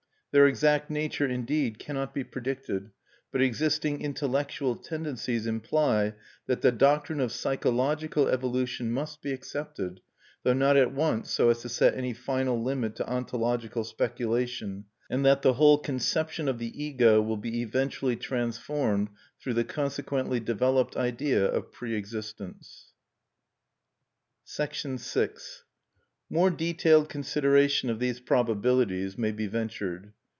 Their exact nature, indeed, cannot be predicted; but existing intellectual tendencies imply that the doctrine of psychological evolution must be accepted, though not at once so as to set any final limit to ontological speculation; and that the whole conception of the Ego will be eventually transformed through the consequently developed idea of pre existence. VI More detailed consideration of these probabilities may be ventured.